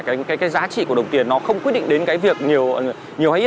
cái giá trị của đồng tiền nó không quyết định đến cái việc nhiều hay